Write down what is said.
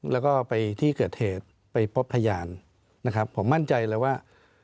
แล้วก็ไปที่เกิดเหตุไปพบพยานนะครับผมมั่นใจเลยว่า